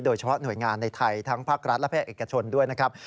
หน่วยงานในไทยทั้งภาครัฐและภาคเอกชนด้วยนะครับ